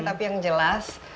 tapi yang jelas